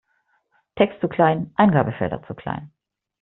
Text zu klein, Eingabefelder zu klein.